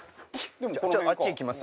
じゃああっち行きます？